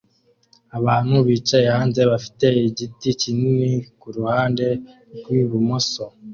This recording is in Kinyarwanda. Abantu bicaye hanze bafite igiti kinini kuruhande rwibumoso